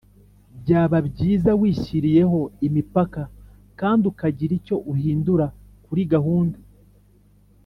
byaba byiza wishyiriyeho imipaka kandi ukagira icyo uhindura kuri gahunda